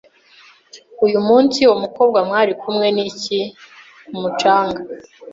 Uyu munsi uwo mukobwa mwari kumwe niki ku mucanga?